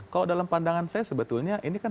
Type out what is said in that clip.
kalau dalam pandangan saya sebetulnya ini kan